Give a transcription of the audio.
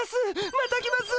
また来ます！